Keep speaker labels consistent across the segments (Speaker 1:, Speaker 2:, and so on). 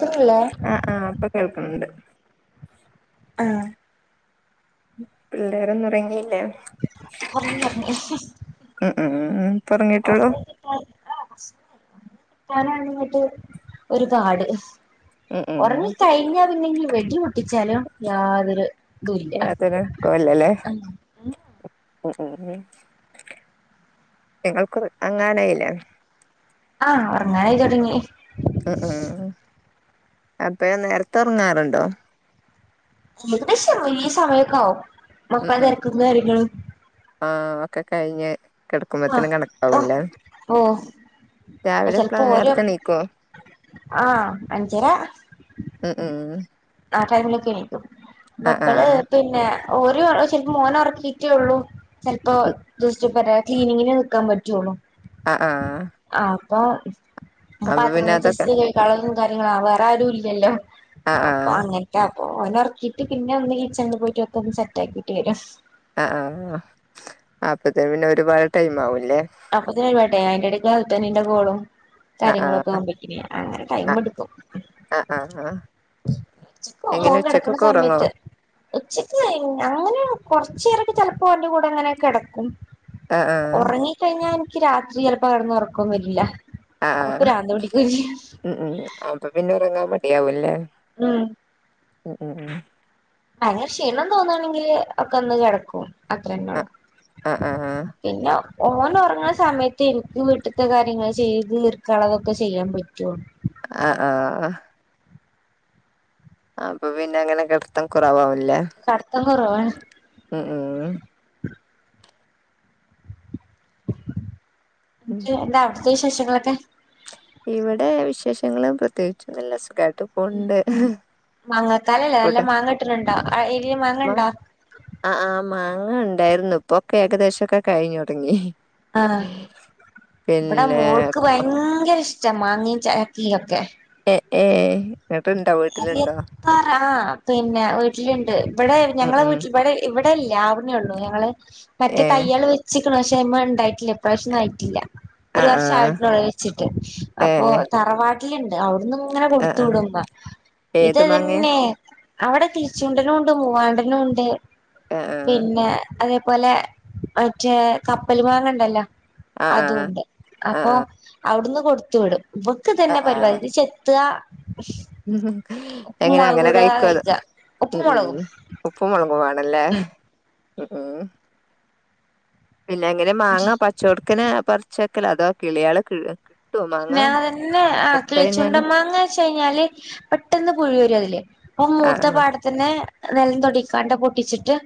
Speaker 1: ക്ക് ണ് ഇല്ലേ
Speaker 2: ആ ആ ഇപ്പൊ കേൾക്കുന്നുണ്ട്
Speaker 1: ആഹ
Speaker 2: പിള്ളേരൊന്നും ഉറങ്ങിയില്ലേ
Speaker 1: ഒറങ്ങി ഒറങ്ങി ഹി ഹി
Speaker 2: ഉം ഉം ഉം ഇപ്പൊ ഉറങ്ങിയിട്ടുള്ളൂ
Speaker 1: ഒരാഗിറ്റ് പ്പ [unintelligible] ഞ്ഞിട്ട് ഒരു പാട്
Speaker 2: ഉം ഉം
Speaker 1: ഒറങ്ങിക്കഴിഞ്ഞാ പിന്നെന്ന് വെടിപൊട്ടിച്ചാലും യാതൊരു ഇതുല്ല
Speaker 2: യാതൊരു കുലുക്കോല്ലല്ലേ ഉ ഉ ഉംഇങ്ങൾക്ക് ഉറങ്ങാനായിലേ
Speaker 1: ആ ഒറങ്ങാനായിത്തുടങ്ങി
Speaker 2: ഉം ഉം അപ്പൊയെ നേരത്തെ ഉറങ്ങാറുണ്ടോ
Speaker 1: ഏകദേശം ഈ സമയൊക്കാവും മക്കളെ തിരക്കും കാര്യങ്ങളും
Speaker 2: ആ ഒക്കെ കഴിഞ്ഞെ കിടക്കുമ്പത്തനും
Speaker 1: ആഹ്
Speaker 2: കണക്കാവില്ല
Speaker 1: ഓഹ്
Speaker 2: രാവിലെ എപ്പളാ നേരത്തെ നീക്കുവോ
Speaker 1: ആഹ അഞ്ചരാ
Speaker 2: ഉം ഉം
Speaker 1: ആ ടൈമിലൊക്കെ എണിക്കും
Speaker 2: ആഹ്
Speaker 1: മക്കള്
Speaker 2: ആഹ്
Speaker 1: പിന്നെ ഒര് ചെലപ്പോ മോന ഉറക്കിട്ടേ ഉള്ളൂ ചെലപ്പോ ക്കിപറ ക്ലീനിങ്ങിന് നിൽക്കാൻ പറ്റുള്ളൂ
Speaker 2: ആഹ ആഹ
Speaker 1: ആ അപ്പൊ ഞാൻ
Speaker 2: പിന്നെ
Speaker 1: പാത്രങ്ങൾ
Speaker 2: അതൊക്കെ
Speaker 1: ചാസ്റ്റ് ചെ കളും കാര്യങ്ങളും വേറെ ആരും ഇല്ലല്ലോ
Speaker 2: ആഹ് ആഹ്
Speaker 1: ന്നിട്ടപ്പോ ഓനെ ഒറക്കിയിട്ട് പിന്നെ ഒന്ന് കിച്ചണില് പോയിട്ട് ഒക്ക ഒന്ന് സെറ്റ് ആക്കിട്ട് വര
Speaker 2: ആഹ ആഹ അപ്പത്തേ പിന്നെ ഒരുപാട് ടൈം ആവുംല്ലേ
Speaker 1: അപ്പൊഴപാട്ടെ അയിന്റെടക്ക്ത്തന്റെ കോളും
Speaker 2: ആഹ്
Speaker 1: കാര്യങ്ങളൊക്കെ
Speaker 2: ആഹ്
Speaker 1: അവുബേക്കിന് അങ്ങനെ ടൈം ഇട്ക്കും
Speaker 2: ആഹ ആഹ് ആഹ
Speaker 1: ഉച്ചക്ക്
Speaker 2: എങ്ങനെ
Speaker 1: മോൻ കിടക്കണ
Speaker 2: ഉച്ചക്കൊക്കെ ഉറങ്ങോ
Speaker 1: സമയത്ത് ഉച്ചക്ക് അങ്ങനെ കൊറച്ചുേരക്ക ചെലപ്പോ ഓന്റ കൂടെ അങ്ങനെ കടക്കും
Speaker 2: ആഹ് ആഹ്
Speaker 1: ഒറങ്ങി കഴിഞ്ഞ നിക്ക് രാത്രി ചിലപ്പോ കടന്ന ഉറക്കം വരില്ല
Speaker 2: ആഹ
Speaker 1: അപ്പൊ
Speaker 2: ആഹാ
Speaker 1: പ്രാന്ത് പിടിക്കും
Speaker 2: ഉ ഉ അപ്പൊ പിന്നെ ഉറങ്ങാൻ മടിയാവൂല്ലേ
Speaker 1: ഉം
Speaker 2: ഉം ഉം ഉം
Speaker 1: അങ്ങനെ ക്ഷീണം തോന്നയാണെങ്കില് ഒക്കെന്ന് കിടക്കും അത്രന്നെള്ളൂ
Speaker 2: ആഹ് ആഹ് ആഹ്
Speaker 1: പിന്നെ ഓൻ ഒറങ്ങന സമയത്ത് നിക്ക് വീട്ടിലത്തെ കാര്യങ്ങൾ ചെയ്ത് തീർക്കുള്ളതൊക്കെ ചെയ്യാൻ പറ്റുള്ളൂ
Speaker 2: ആഹ ആഹ ആഹ അപ്പൊ പിന്നെ അങ്ങനെ കെടത്തം കുറവാവില്ലേ
Speaker 1: കട്ത്തം കുറവാണ്
Speaker 2: ഉം ഉം ഉം
Speaker 1: ച്ച് എന്താ അവിടത്തെ ശേഷങ്ങളൊക്കെ
Speaker 2: ഇവിടെ വിശേഷങ്ങളും പ്രത്യേകിച്ചൊന്നുമില്ല സുഖാട്ടു
Speaker 1: ഉ മാങ്ങക്കാലല്ലേ നല്ല
Speaker 2: ഇവിടെ
Speaker 1: മാങ്ങ ഇട്ടട്ടണ്ടോ ആ എരില് മാങ്ങ ഇണ്ടോ
Speaker 2: ആഹ ആഹ് മാങ്ങ ഇണ്ടായിരുന്നു ഇപ്പൊക്കെ ഏകദേശംക്കെ കഴിഞ്ഞു തുടങ്ങി
Speaker 1: ആഹ ഇവിടെ
Speaker 2: പിന്നെ
Speaker 1: മോൾക്ക് ഭയങ്കര ഇഷ്ടം മാങ്ങയും ചരക്കിയ ഒക്കെ
Speaker 2: ഏഹ് ഏഹ്
Speaker 1: അത് എത്രറ പിന്നെ വീട്ടിലുണ്ട് ഇവിടെ
Speaker 2: ഉം
Speaker 1: ഞങ്ങള
Speaker 2: ഉം
Speaker 1: വീട്ടിൽ ഇവിടെ ഇവിടെല്ല ഒള്ളൂ ഞങ്ങള് മറ്റേ
Speaker 2: ഏ
Speaker 1: തയ്യാള് വെച്ചിക്കണ പക്ഷെ അയ്മ ഉണ്ടായിട്ടില്ല ഇപ്രാവശ്യം ഒന്നും ആയിട്ടില്ല ഒരു
Speaker 2: ആഹ്
Speaker 1: വർഷം
Speaker 2: ആഹ്
Speaker 1: ആയിട്ടുള്ളുള്ള വെച്ചിട്ട്
Speaker 2: ഏ
Speaker 1: അപ്പൊ തറവാട്ടിലുണ്ട് അവിടുന്നന്ന് ഇങ്ങനെ
Speaker 2: ആഹ്
Speaker 1: കൊടുത്തു
Speaker 2: ആഹ്
Speaker 1: വിടും ഇമ്മ ഇത്
Speaker 2: ഏത്
Speaker 1: അത്
Speaker 2: മാങ്ങേ
Speaker 1: തന്നെ അവിടെ കിളിച്ചുണ്ടനും ഉണ്ട് മൂവാണ്ടനും ഉണ്ട്
Speaker 2: ആഹ്
Speaker 1: പിന്നെ അതേപോലെ മറ്റേ കപ്പൽ മാങ്ങ ഉണ്ടല്ലോ
Speaker 2: ആഹ്
Speaker 1: അത
Speaker 2: ആഹ്
Speaker 1: ഉണ്ട്
Speaker 2: ആഹ്
Speaker 1: അപ്പൊ
Speaker 2: ആഹ്
Speaker 1: അവിടുന്ന് കൊടുത്തു വിടും ഇപ്പേ ഇനിക്ക് ഇത് തന്നെ
Speaker 2: ആഹ് ആഹ്
Speaker 1: പരിപാടി ഇത് ചെത്ത
Speaker 2: എങ്ങനെ അങ്ങനെ കഴിക്കും അത്
Speaker 1: കഴിക്കുക ഉപ്പും
Speaker 2: ഉം
Speaker 1: മുളകും
Speaker 2: ഉം ഉപ്പും മുളക് വണല്ലേ
Speaker 1: ഉം
Speaker 2: ഉം പിന്നെ എങ്ങനെ മാങ്ങാ പച്ച ഒട്ക്കനെ പറച്ച് വെക്കലോ അതോ കിളിയള് കിഴ
Speaker 1: പിന്നെ അതന്നെ ആ കിളിച്ചുണ്ടമ്മങ്ങ വെച്ച കഴിഞ്ഞാല് പെട്ടന്ന് പുഴി വരും അതില് അപ്പൊ മൂത്ത
Speaker 2: ആഹ്
Speaker 1: പാടത്തിന്നെ നെല്ലം തൊടിക്കാണ്ട് പൊട്ടിച്ചിട്ട്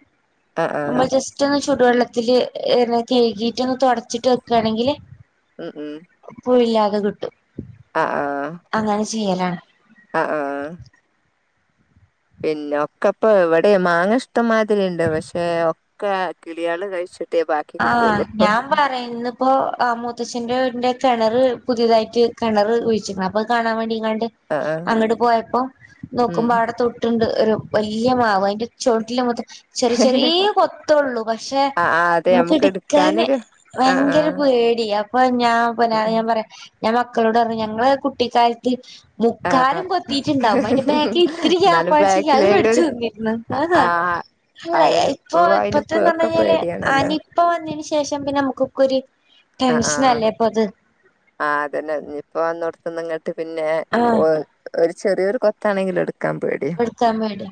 Speaker 2: ആഹ് ആഹ്
Speaker 1: നമ്മള് ജസ്റ്റ് ഒന്ന് ചൂടുവെള്ളത്തില് കയ്കീട്ട ഒന്ന് തുടച്ചിട്ട് വെക്കുകയാണെങ്കില്
Speaker 2: ഉം ഉം
Speaker 1: കെയ്പ്പൂ ഇല്ലാതെ കിട്ടും
Speaker 2: ആഹ് ആഹ്
Speaker 1: അങ്ങനെ ചെയ്യലാണ്
Speaker 2: ആഹ് ആഹ് ഇല്ല ഒക്കെപ്പൊ ഇവടെ മാങ്ങ ഇഷ്ടം മാതിരിയുണ്ട് പക്ഷെ ഒക്കെ കിളിയാള് കഴിച്
Speaker 1: ആഹ് ഞാൻ പറയ ഇന്ന് ഇപ്പൊ അ മൂത്തച്ഛന്റെ വീടിന്റെ കെണർ പുതിയതായിട്ട് കെണർ കുഴിച്ക്ണ് അപ്പൊ അയ് കാണാൻ വേണ്ടിങ്ങാണ്ട്
Speaker 2: ആഹ്
Speaker 1: അങ്ങട് പോയപ്പോ
Speaker 2: ഉം
Speaker 1: നോക്കുമ്പോ അവടെ തൊ ട്ട്ണ്ട് ഒരു വല്ല്യ മാവ് അയിന്റെ ചുവട്ടില് മൊത്തം ചെറിയ ചെറിയേ കെത്തൊള്ളൂ പക്ഷെ
Speaker 2: ആഹ് ആഹ് അതെ
Speaker 1: നമുക്ക് എടുക്കാന്
Speaker 2: എടുക്കാനൊരു ആഹ്
Speaker 1: വയങ്കരം
Speaker 2: ആഹ്
Speaker 1: പേടി അപ്പൊ ഞാൻ പ
Speaker 2: ഉം ഉം
Speaker 1: ഞാൻ പറയ ഞാൻ മക്കളോട് പറഞ്ഞി ഞങ്ങളെ കുട്ടിക്കാല ത്ത്
Speaker 2: ആഹ്
Speaker 1: മുക്കാലും കൊത്തീട്ടുണ്ടാവും അയിന്റെ ബേക്കി ഇത്തിരി
Speaker 2: എന്നാലും
Speaker 1: കാമ്പാ ചെങ്കിൽ അത്
Speaker 2: ബാക്കിലെങ്കിലും ഒരു
Speaker 1: കടിച്ചു തിന്നിരുന്നു
Speaker 2: ആഹ്
Speaker 1: ആന്ന്
Speaker 2: ആഹ്
Speaker 1: അല്ല
Speaker 2: അതന്നെ
Speaker 1: ഇപ്പൊ
Speaker 2: അയിന് ഇപ്പോ
Speaker 1: ഇപ്പത്തെന്ന് പറഞ്ഞ
Speaker 2: ഒക്കെ
Speaker 1: കൈഞ്ഞാല് ആ
Speaker 2: പേടിയാണല്ലോ
Speaker 1: നി നിപ്പ വന്നയ്ന് ശേഷം പിന്നെ നമ്മുക്കൊക്കൊരു ഒരു ടെൻഷനല്ലേ അപ്പൊ അത്
Speaker 2: ആ അതന്നെ നിപ്പ വന്നോട്ത്ത്ന്ന് ഇങ്ങട്ട് പിന്നെ
Speaker 1: ആഹ്
Speaker 2: ഓ ഒരു ചെറിയൊരു കൊത്താണെങ്കിലും എടുക്കാൻ പേ
Speaker 1: എടുത്താൻ പേടിയ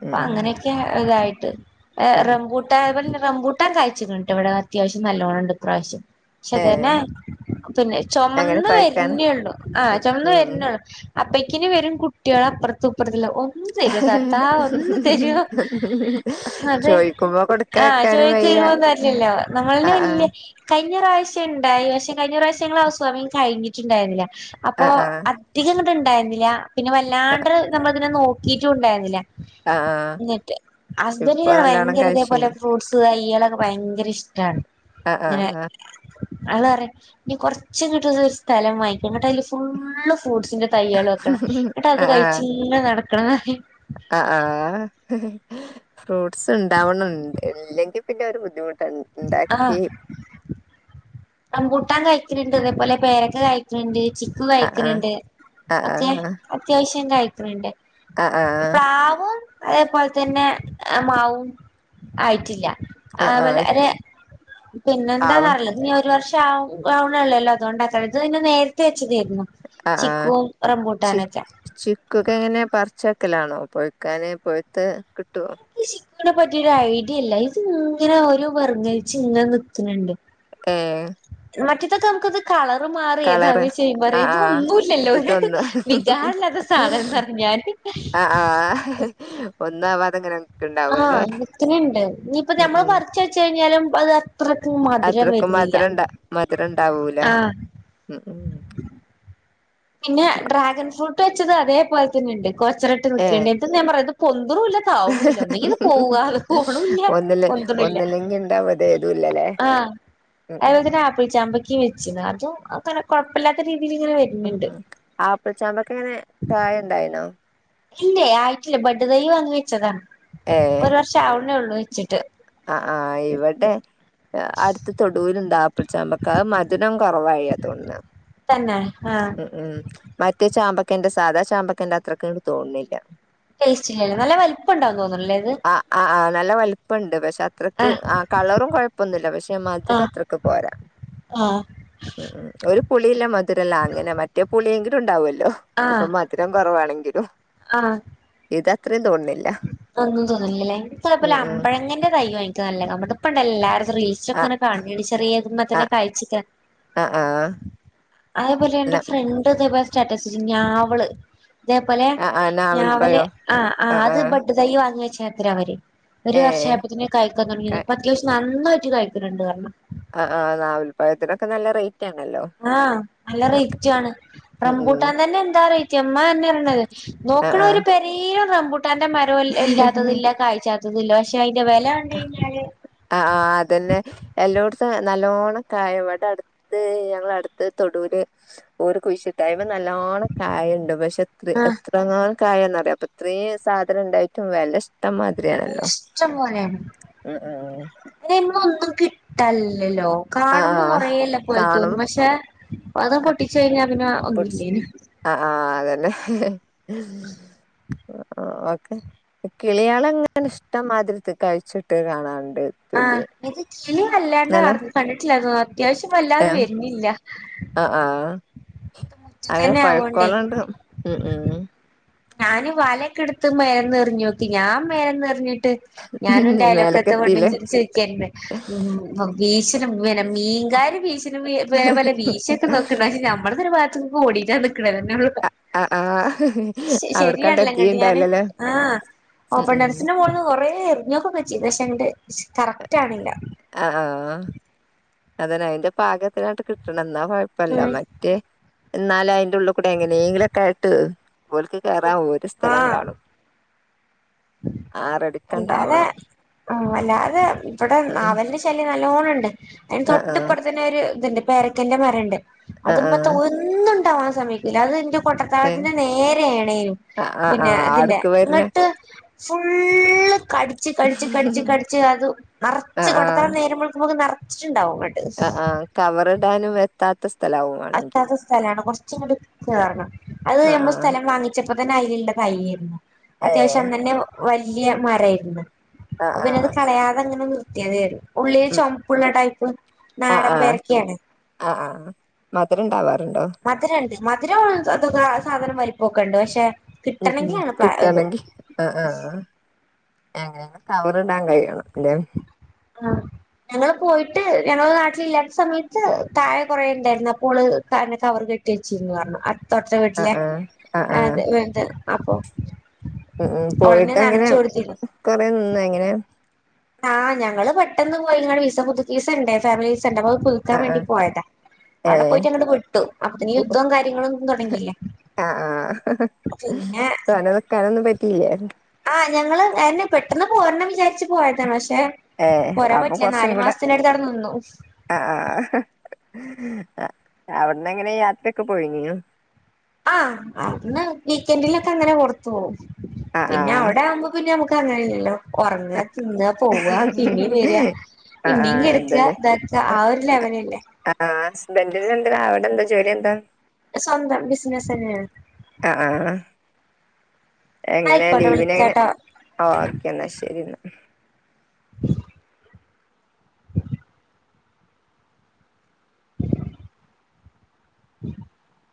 Speaker 1: അപ്പൊ
Speaker 2: ഉം
Speaker 1: അങ്ങനെയൊക്കെ ഇതായിട്ട്
Speaker 2: ഉം
Speaker 1: റംമ്പു അയ് പോലെന്നെ റംമ്പൂട്ടാൻ കായിചിക്കണ് ഇട്ടേ ഇവടെ അത്യാവശ്യം നല്ലോണം ഇണ്ട് ഇപ്രാശ്യം പക്ഷേ
Speaker 2: ഏഹ്
Speaker 1: അതന്നെ പിന്നെ
Speaker 2: എങ്ങനെ
Speaker 1: ചൊമന്ന്
Speaker 2: പഴുക്കാന
Speaker 1: വരുന്നേയുള്ളു ആ
Speaker 2: ഉം
Speaker 1: ചൊമന്ന്
Speaker 2: ഉം
Speaker 1: വരുന്നൊള്ളു അപ്പഴ്ക്കിന് വരും കുട്ട്യാളപ്പറത്തും ഇപ്പറത്തുള്ള ഒ ഒന്ന് തരോ താത്താ ഒന്ന് തരോ അതെ
Speaker 2: ചോയിക്കുമ്പോ
Speaker 1: ആഹ്
Speaker 2: കൊടുക്കാക്കാനും വയ്യ
Speaker 1: ചോദിചരുമ്പോ തരില്ലല്ലോ നമ്മളന്നെ
Speaker 2: ആഹ് ആഹ്
Speaker 1: വല്യ കഴിഞ്ഞറാവശ്യം ഇണ്ടായി പക്ഷെ കഴിഞ്ഞറാവശ്യം ഉണ്ടായി പക്ഷെ ഞങ്ങളെ ഹൗസ് വാമിങ് കഴിഞ്ഞിട്ടുണ്ടായിരുന്നില്ല അപ്പൊ
Speaker 2: ആഹ് ആഹ്
Speaker 1: അധികങ്ങട്ട് ഇണ്ടായിരുന്നില പിന്നെ വല്ലാണ്ട് നമ്മളതിനെ നോക്കീട്ടുണ്ടായിരുന്നില്ല
Speaker 2: ആഹ് ആഹ്
Speaker 1: ഇന്നിട്ട്
Speaker 2: ഇപ്പൊ
Speaker 1: ഹസ്ബന്റിന്
Speaker 2: നല്ലോണം
Speaker 1: വയങ്കര ഇതേപോലെ
Speaker 2: കഴിച്ചീന്
Speaker 1: ഫ്രൂട്സ് ത്ത് തൈയ്യെളൊക്കെ ഭയങ്കര ഇഷ്ടാണ്
Speaker 2: ആഹ്
Speaker 1: ഇങ്ങനെ
Speaker 2: ആഹ്
Speaker 1: ആള് പറയും ഇനി കൊറച്ചു കിട്ടുന്ന ഒരു സ്ഥലം വാങ്ങിക്ക ഇന്നട്ടയില് ഫുള്ള് ഫ്രൂട്ട്സിന്റെ തൈയ്യാള് വെക്കണം ഇന്നട്ട് അത് കഴിച്ച് ഇങ്ങനെ നടക്കണം പറയും
Speaker 2: ആ ആ ഫ്രൂട്ട്സ് ഇണ്ടാവണം ഇല്ലെങ്കി പിന്നെ അത് ഒരു ബുദ്ധിമുട്ടാണ്
Speaker 1: ആഹ് റംമ്പൂട്ടാൻ കായിക്കണുണ്ട് അതേപോലെ പേരക്ക കായിക്കണുണ്ട് ചി ക്കു
Speaker 2: ആഹ്
Speaker 1: കായിക്കണുണ്ട്
Speaker 2: ആഹ്
Speaker 1: ഒക്കെ
Speaker 2: ആഹ്
Speaker 1: അത്യാവശ്യം കായിക്കണുണ്ട്
Speaker 2: ആഹ് ആഹ്
Speaker 1: പ്ലാവും അയേപോലെ തന്നെ മാവും ആയിട്ടില്ല
Speaker 2: ആഹ് ആഹ്
Speaker 1: ആവലാരെ പിന്നെന്താ
Speaker 2: ആവ
Speaker 1: വേറെള്ളത് ഇനി ഒ രു വർഷാവ ആവണൊള്ളോല്ലോ അതുകൊണ്ടാക്കാരം ഇത് പിന്നെ നേരത്തെ വെച്ചതേരുന്നു
Speaker 2: ആഹ് ആ ഹ്ശ ചിക്കു ഒക്കെ എങ്ങനെ പറിച്ചെക്കലാണോ പഴുക്കാന് പഴുത്ത് കിട്ടുവോ
Speaker 1: ഇക്ക് ചിക്കുനെ പറ്റിയൊരു ഐഡിയ ഇല്ല ഇത് ഇങ്ങനെ ഒരു വെറങ്ങലിച്ച് ഇങ്ങനെ നിക്ക്ണ് ണ്ട്.
Speaker 2: ഏഹ്
Speaker 1: മറ്റേതൊക്കെ നമുക്കത് കളർ മാറെ
Speaker 2: കളറ്
Speaker 1: താവെ ചെയ്യു പറാ
Speaker 2: ആഹ് ആഹ്
Speaker 1: ഇതൊന്നുല്ലല്ലോ.
Speaker 2: ഇതൊന്ന്
Speaker 1: വികാരില്ലാത്ത സാധനം ന്ന് പറിം ഞാന്
Speaker 2: ആഹ് ആഹ് ഒന്നു ആവാതെങ്ങനെ
Speaker 1: ആഹ് മിത്തിനി ഇണ്ട് ഇനിയിപ്പ
Speaker 2: ഉം
Speaker 1: ഞമ്മള്
Speaker 2: ഉം
Speaker 1: പറിച്ച് വെച്ച് കഴിഞ്ഞാലും അത് അത്രക്ക് മ
Speaker 2: അത്രക്കും മധരം ണ്ടാ മധരം ണ്ടാവൂല
Speaker 1: ആഹ്
Speaker 2: ഉം മ്
Speaker 1: പിന്നെ ഡ്രാഗൻ ഫ്രൂട്ട് വെച്ചത് അതേപോലെ തന്നെ ണ്ട് [unintelligible] ഇത് ഞാൻ പറയാ പൊന്തുറുംല്ല
Speaker 2: ഒന്നില്ലേ
Speaker 1: പൊന്തണില്ല
Speaker 2: ഒന്നില്ലെങ്കി ഇണ്ടാവ ഇത്‌ ഏതുല്ലലേ
Speaker 1: പ്പ
Speaker 2: [unintelligible]
Speaker 1: തന്നെ ആപ്പിൾ ചാമ്പക്കെ വെച്ചീന്ന് അതും അങ്ങനെ കെഴ്പ്പല്ലാത്ത രീതിയില് ങ്ങനെ വെ
Speaker 2: ഉം ഉം ആപ്പിൾ ചാമ്പക്കെ എങ്ങനെ കായണ്ടായി ണോ
Speaker 1: ഇല്ലേ ആയിട്ടില്ലേ ബഡ് തൈ വാങ്ങി വെച്ചതാ
Speaker 2: ഏഹ്
Speaker 1: ഒരു വർഷം ആവുന്നേയുള്ളു വെച്ചിട്ട്
Speaker 2: ആഹ് ആഹ് ഇവിടെ അടുത്ത് തൊടു ലുണ്ട് ആപ്പിൾ ചാമ്പക്ക അഹ് മധുരം കൊറവായ തോൺണേ
Speaker 1: തന്നെ ആഹ്
Speaker 2: ഉം ഉം മറ്റേ ചാമ്പക്കന്റെ സാധാ ചാമ്പക്കന്റെ അത്രക്ക് ങ്ങട് തോണ്ല്ല
Speaker 1: ടേസ്റ്റി ല്ലല്ലേ നല്ല വലിപ്പംണ്ടാവും തോന്ന്ണ്ല്ലേ അത്‌
Speaker 2: അ അ ആഹ് നല്ല വലിപ്പണ്ട് പക്ഷേ ത്രക്ക് ആഹ് കളറും കൊഴപ്പൊന്നുല്ല പക്ഷെ മധ് രം
Speaker 1: ആഹ്
Speaker 2: അത്രക്ക് പോരാ
Speaker 1: ആഹ്
Speaker 2: ഉം ഉം ഒരു പുളില്ല മധുരല്ല അങ്ങനെ മറ്റേ പുളിയെങ്കിലും ഉണ്ടാവുഅല്ലോ ഇപ്പൊ
Speaker 1: ആഹ്
Speaker 2: മ ധുരം കുറവാണെങ്കിലും
Speaker 1: ആഹ്
Speaker 2: ഇത് അത്രേം തോണ് ണില്ല
Speaker 1: ഒന്നും തോന്നുല്ലല്ലേ എനി കൊഴപ്പല്ല
Speaker 2: ഉം
Speaker 1: അമ്പഴങ്ങന്റെ തൈയ് എനിക്ക് നല്ല [unintelligible] ഇപ്പ ണ്ട എല്ലാ റീൽസ് ഒക്കെ
Speaker 2: ആ
Speaker 1: ഇങ്ങനെ കാണുന്നെയാണ് ചെറിയതുമ്മേ തന്നെ കായ്ചിട്ട
Speaker 2: ആഹ് ആഹ്
Speaker 1: അതേപോലെ എന്റെ ഫ്രണ്ട് ഇതേപോലെ സ്റ്റാറ്റസ് വെച്ച് ഞാവ്ള് ഇതേപോലെ
Speaker 2: ആ ആ
Speaker 1: ഞാവല്
Speaker 2: നാവൽപ്പഴോ
Speaker 1: ആഹ്
Speaker 2: ആ
Speaker 1: ആഹ്
Speaker 2: ആ
Speaker 1: അത് ബഡ് തൈ വാങ്ങി വെച്ചത്രരാ അവര് ഒരു
Speaker 2: ഏ
Speaker 1: വർഷായപ്പോ തന്നെ കായിക്കാൻ
Speaker 2: ക
Speaker 1: തുടങ്ങിയതാ ഇപ്പൊ അത്യാവശ്യം നന്നായിട്ട് കായിക്ക്ണ് ണ്ട്റ്ഞ്ഞ്
Speaker 2: അഹ് ആഹ് നാവൽപഴത്തിനൊക്കെ നല്ല റേറ്റ് ആണല്ലോ
Speaker 1: ആഹ് നല്ല
Speaker 2: മാർക്കറ്റിൽ
Speaker 1: റേറ്റാണ്
Speaker 2: ഉം ഉം
Speaker 1: റംബൂട്ടാൻ തന്നെ എന്താ റേറ്റ് ഇന്നാ തന്നെ ഇന്ന്
Speaker 2: ആ
Speaker 1: നോക്കണ
Speaker 2: ആ
Speaker 1: ഒരു പെരേം റമ്പൂട്ടാന്റെ മരവും ഇല്ല ഇല്ലാത്തത് ഇല്ല കാഴ്ച്ചാ ത്തതുല്ല പക്ഷെ അതിന്റെ വിലകണ്ട് കഴിഞ്ഞാല്
Speaker 2: അഹ് ആഹ് അതന്നെ എല്ലോട്ത്തും നല്ലോണ്ണം കായ ഇവടെ അടുത്ത് ഞങ്ങള അടുത്ത് തൊടൂല് ഓര് കുഴിച്ച് ട്ടാ അയ്മ നല്ലോണ്ണം കായണ്ട് പക്ഷെ ത്ര എ
Speaker 1: ആഹ്
Speaker 2: ത്രങ്ങാനും കായന്ന്റിയ അപ്പൊ ഇത്രം സാധനം ഉണ്ടായിട്ടും വില ഇഷ്ടംമാതിരിയാണല്ലോ
Speaker 1: ഇഷ്ടം പോലെയാണ് അയ്മ ഒന്നും കിട്ടാൻ ല്ലല്ലോ
Speaker 2: ആ ആ
Speaker 1: കാണുമ്പം കൊറേ ള്ള പോല
Speaker 2: കാണും
Speaker 1: തോന്നും പക്ഷെ അത് പൊട്ടിച്ച് കഴിഞ്ഞാ പിന്നെ ഒന്നുമില്ലേന്
Speaker 2: അഹ് ആഹ് അതന്നെ ആഹ് ഓക്കെ കിളികളങ്ങന ഇഷ്ടംമാതിരി തി കഴിച്ചിട്ടെ കാണാണ്ട്
Speaker 1: ആഹ്
Speaker 2: തുല്യ
Speaker 1: ഇത് കിളി വല്ലാണ്ട് കടന്ന് കണ്ടിട്ടില്ലാ തോന്ന് അത്യാവശ്യം വല്ലാതെ വരുന്നില്ല
Speaker 2: അഹ് ആഹ് അങ്ങനെ
Speaker 1: മുറ്റത്തന്നെ ആവോണ്ടേ
Speaker 2: പഴുക്കോളണ്ട് ഉം ഉം
Speaker 1: ഞാന് വലക്കെട്ത്ത് മേന്നെറിഞ്ഞോക്കി ഞാ മേന്നെറിഞ്ഞിട്ട് ഞാനും
Speaker 2: മേലക്ക്
Speaker 1: എന്റയലൊക്കത്ത വെണ്ണും
Speaker 2: എത്തില്ലേ
Speaker 1: ചിരിച്ചിരിക്കരുന്ന് ഉം വ വീശലും വ്വെനെ മീൻകാര് വീശലും വി വേ പോലെ വീശിക്കെ നോ ക്ക്ന്ന അത്‌ ഞമ്മട്തൊരു [unintelligible] ഓടിട്ടാ നിക്ക്ണത് രണ്ടാളും
Speaker 2: അഹ് ആഹ്
Speaker 1: ശ
Speaker 2: അവിടക്കാണ്ട്
Speaker 1: ശരിയാണല്ലേ ഇങ്ങട്ട് ഞാന്
Speaker 2: എത്തിണ്ടാവില്ലല്ലേ
Speaker 1: ആഹ്
Speaker 2: ഉം
Speaker 1: ഓപ്പൺ
Speaker 2: ഉം
Speaker 1: ടെറിസിന്റെ മോള് കൊറെ എറിഞ്ഞൊക്കെ പ ചെയ്ത് പക്ഷേ ങ്ങട്ട് ശ് കറക്റ്റ് ആവണില്ല.
Speaker 2: അഹ് ആഹ് ആഹ് അതന്നെ അയിന്റെ പാകത്തിനായിട്ട് കിട്ടണം എന്നാ കൊഴപ്പല്ല
Speaker 1: ഉം
Speaker 2: മറ്റേ എന്നാലും അയിന്റെ ഉള്ള് കൂടെ എങ്ങനെങ്കിലുക്കെ ആയിട്ട് ഓൾക്ക് കേറാം ഓര് സ്ഥലം
Speaker 1: ആഹ്
Speaker 2: കാണും.
Speaker 1: അല്ലാതെ
Speaker 2: ആറടിക്കണ്ടാവണം
Speaker 1: ആഹ് അല്ലാതെ ഇവടെ
Speaker 2: ആഹ്
Speaker 1: നാവൽ ശ ല്ലി നല്ലോണണ്ട് അതിന്
Speaker 2: ആഹ്
Speaker 1: തൊട്ട്പ്പർത്തന്നെ ഒര് ഇത്ണ്ട് പേരക്കന്റെ മരണ്ട് അത്
Speaker 2: ആഹ്
Speaker 1: മ്മെത്ത
Speaker 2: ആഹ്
Speaker 1: ഒന്ന് ന്നും ണ്ടാവാൻ സമ്മയ്ക്കൂല അത് ഇൻ്റെ
Speaker 2: ഏഹ്
Speaker 1: പൊട്ടത്താഴത്തിന്റെ നേരെ ആണേലും
Speaker 2: ആഹ് ആഹ്
Speaker 1: പിന്നെ
Speaker 2: ആഹ്
Speaker 1: അതിന്റെ
Speaker 2: ആട്ക്ക് വര്ണെ
Speaker 1: ഇങ്ങട്ട് ഫുള്ള് കടി ച്ച് കടിച്ച് കടിച്ച് കടിച്ച് അത്
Speaker 2: ആഹ്
Speaker 1: നറച്ച് കൊട്ടത്തറ നേരം വെളുക്കുമ്പക്ക് നറച്ചിണ്ടാവും അ
Speaker 2: അഹ് ആഹ് കവറ്ഡാനും എത്താത്ത സ്ഥലാവും. വാണെങ്കി
Speaker 1: അറ്റാത്ത സ്ഥലാണ് കൊർച്ച് ഇങ്ങട് കേറണം അത്
Speaker 2: ആഹ്
Speaker 1: ഞമ്മൾ
Speaker 2: ആഹ്
Speaker 1: സ്ഥലം വാങ്ങി ച്ചപ്പം തന്നെ അയിലുള്ള തൈ ആരുന്നു
Speaker 2: ഏഹ്
Speaker 1: അത്യാവശ്യം തന്നെ വല്യയ മരാഇരുന്നു. അപ്പൊ
Speaker 2: ആഹ്
Speaker 1: പിന്നെത്
Speaker 2: ആഹ്
Speaker 1: കളയാതെ അങ്ങനെ നിർത്തിയതാരുന്ന് ഉള്ളിൽ
Speaker 2: ഉം
Speaker 1: ചുമപ്പുള്ള ടൈപ്പ്.
Speaker 2: ആഹ്
Speaker 1: നാടൻ
Speaker 2: ആഹ്
Speaker 1: പേരക്കയാണ്
Speaker 2: ആഹ് ആഹ് മധുരം ണ്ടാവാറുണ്ടോ?
Speaker 1: മധുരണ്ട് മധുരം അതൊക്കെ സാധനം വലപ്പൊക്കെ ണ്ട് പക്ഷെ
Speaker 2: ഉം ഉം
Speaker 1: കിട്ടണെങ്കിലാണ് പ്ല ഇത്
Speaker 2: കിട്ടനങ്കി ആഹ് ആഹ് എങ്ങനെങ്കിലും കവറ് ഇടാൻ കഴിയണം ല്ലെ?
Speaker 1: ആഹ് ഞങ്ങള് പോയിട്ട് ഞങ്ങള് നാട്ടില് ഇല്ലാത്ത സമയത്ത് താഴെ കൊറേ ണ്ടായിരുന്നു. അപ്പോള് കാരണം കവർ കെ ച്ചീന്ന് പർഞ്ഞു അട്ത്തൊട്ട
Speaker 2: ആഹ്
Speaker 1: വീട്ടിലേ
Speaker 2: ആഹ് ആഹ് ആഹ്
Speaker 1: അത് വേണ്ട അപ്പൊ
Speaker 2: ഉം ഉം പോയിട്ട്
Speaker 1: ഓളന്നെ
Speaker 2: അങ്ങനെ
Speaker 1: നനച്ചു കൊടുത്തിരുന്നു
Speaker 2: കൊറേ നിന്ന് എങ്ങനെ?
Speaker 1: ആഹ് ഞങ്ങള് പെട്ടെന്ന് പോയി ഇങ്ങ വിസ പുതുക്കീസ് വിസണ്ടേ ഫാമിലീസ് വിസണ്ട് അപ്പ പുതുക്കാൻ
Speaker 2: ആഹ്
Speaker 1: വേണ്ടി
Speaker 2: ആഹ്
Speaker 1: പോയതാ. അഒടെ
Speaker 2: ഏഹ്
Speaker 1: പോയിട്ട് അങ്ങട്ട് വിട്ടു അപ്പത്ത്ന് യുദ്ധോം കാര്യങ്ങളും തുടങ്ങിയില്ലേ.
Speaker 2: ആഹ് ആഹ്
Speaker 1: പിന്നെ
Speaker 2: തോന്നേ നിക്കാനൊന്നും പറ്റിയില്ലേ?
Speaker 1: ആഹ് ഞങ്ങള് അഹന്നെ പെട്ടെന്ന് പോരണം വിചാരിച്ച് പോയതാണ് പക്ഷെ
Speaker 2: ഏഹ്
Speaker 1: പോരാ
Speaker 2: അപ്പൊ
Speaker 1: പറ്റില്ല
Speaker 2: കൊറച്ചും
Speaker 1: നാലു
Speaker 2: കൂടെ
Speaker 1: മാസത്തിനട്ത്ത് അഒടെ നിന്നു ഉം.
Speaker 2: ആഹ് ആഹ് അഹ് അഒട്ന്ന് എങ്ങനെ യാത്രക്കെ പോയിനോ?
Speaker 1: ആഹ് അന്ന് വീക്കെൻഡിലൊക്കെ അങ്ങനെ കൊടുത്തു.
Speaker 2: ആ ആ
Speaker 1: പിന്നെ അവടെ ആവുമ്പോ പിന്നെ നമുക്ക് അങ്ങനെല്ലല്ലോ ഒറങ്ങ തിന്നാ പോവാ പിന്നീ വര
Speaker 2: ആ ആ
Speaker 1: പിന്നീ കെട്ക്ക ഇതാക്ക ആഹ് ഒരു ലെവല് ല്ലേ.
Speaker 2: ആഹ് ഹസ്ബന്റിന് എന്താ അഒടെ എന്താ ജോലി ന്താ?
Speaker 1: സ്വന്തം ബിസിനസ് ന്നെ.
Speaker 2: ആഹ് ആഹ് എങ്ങനെ
Speaker 1: ആയിക്കോട്ടെ
Speaker 2: ലീവിന് എങ്ങനെ
Speaker 1: വിളിക്കാട്ടോ
Speaker 2: ആഹ് ഓക്കെ ന്നാ ശരി ന്നാ.
Speaker 1: ഉം [inaudible]